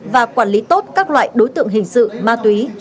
và quản lý tốt các loại đối tượng hình sự ma túy